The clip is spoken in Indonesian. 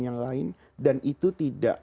yang lain dan itu tidak